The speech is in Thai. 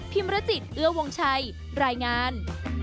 มรจิตเอื้อวงชัยรายงาน